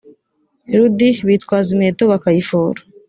ludi bitwaza imiheto bakayifora